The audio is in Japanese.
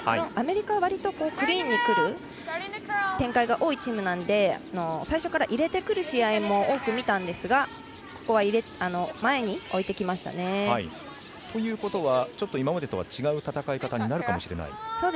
アメリカは割とクリーンにくる展開が多いチームなので最初から入れてくる試合も多く見たんですがここは前に置いてきましたね。ということはちょっと今までとは違う戦い方になるかもしれない。